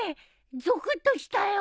ゾクッとしたよ。